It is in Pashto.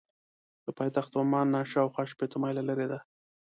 له پایتخت عمان نه شاخوا شپېته مایله لرې ده.